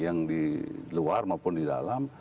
yang di luar maupun di dalam